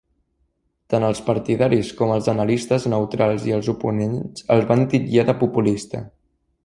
Tant els partidaris, com els analistes neutrals i els oponents el van titllar de populista.